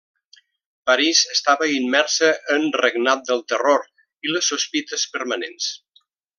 París estava immersa en Regnat del Terror i les sospites permanents.